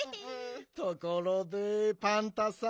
ところでパンタさん。